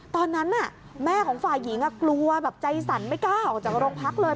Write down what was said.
ตอนนั้นแม่ของฝ่ายหญิงกลัวแบบใจสั่นไม่กล้าออกจากโรงพักเลย